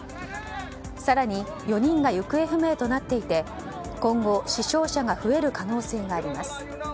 更に４人が行方不明となっていて今後、死傷者が増える可能性があります。